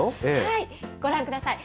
ご覧ください。